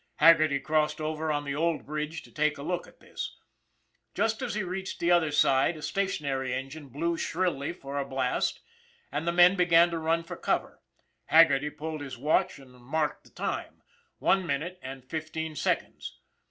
Haggerty crossed over on the old bridge to take a look at this. Just as he reached the other side a stationary engine blew shrilly for a blast, and the men began to run for cover. Haggerty pulled his watch and marked the time one minute and fifteen seconds.